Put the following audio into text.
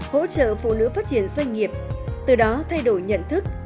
hỗ trợ phụ nữ phát triển doanh nghiệp từ đó thay đổi nhận thức